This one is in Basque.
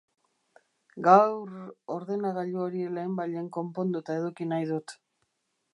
Gaur... ordenagailu hori lehenbailehen konponduta eduki nahi dut.